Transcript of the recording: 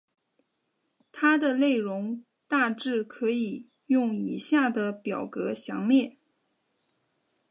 它的内容大致可以用以下的表格详列。